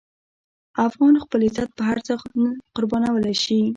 افغان خپل عزت په هر څه قربانولی شي.